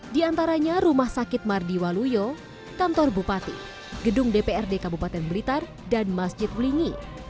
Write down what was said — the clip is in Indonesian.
di antaranya rumah sakit mardi waluyo kantor bupati gedung dprd kabupaten blitar dan masjid wlingi